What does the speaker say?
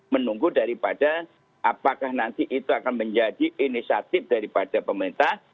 menunggu daripada apakah nanti itu akan menjadi inisiatif daripada pemerintah